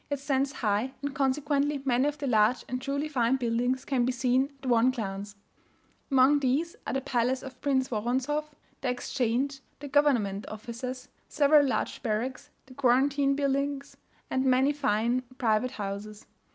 It stands high; and consequently many of the large and truly fine buildings can be seen at one glance. Among these are the Palace of Prince Woronzoff, the Exchange, the government offices, several large barracks, the quarantine buildings, and many fine private houses.